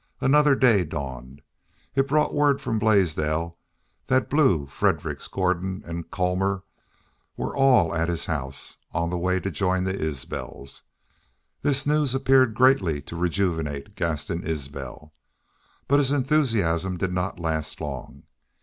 And another day dawned. It brought word from Blaisdell that Blue, Fredericks, Gordon, and Colmor were all at his house, on the way to join the Isbels. This news appeared greatly to rejuvenate Gaston Isbel. But his enthusiasm did not last long.